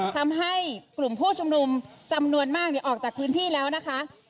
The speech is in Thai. ทำให้กลุ่มผู้ชุมนุมจำนวนมากออกจากพื้นที่แล้วนะคะ